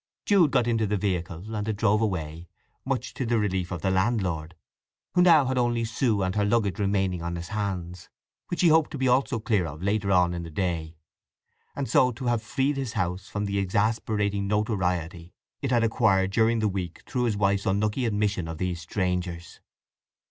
Jude got into the vehicle, and it drove away, much to the relief of the landlord, who now had only Sue and her luggage remaining on his hands, which he hoped to be also clear of later on in the day, and so to have freed his house from the exasperating notoriety it had acquired during the week through his wife's unlucky admission of these strangers.